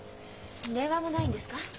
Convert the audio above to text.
電話もないんですか？